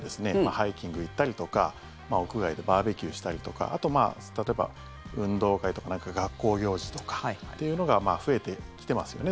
ハイキング行ったりとか屋外でバーベキューしたりとかあと例えば運動会とかなんか学校行事とかっていうのが増えてきてますよね